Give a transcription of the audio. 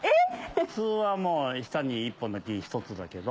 普通はもう下に１本の木に１つだけど。